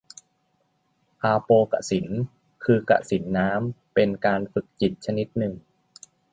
อาโปกสิณ คือกสิณน้ำ เป็นการฝึกจิตชนิดหนึ่ง